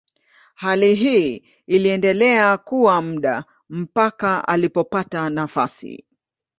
Hali hii iliendelea kwa muda mpaka alipopata nafasi.